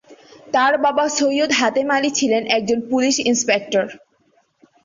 তার বাবা সৈয়দ হাতেম আলী ছিলেন একজন পুলিশ ইন্সপেক্টর।